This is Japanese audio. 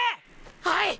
はい！！